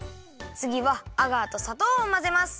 つぎはアガーとさとうをまぜます。